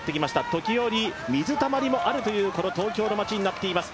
時折、水たまりもあるというこの東京の街になっています。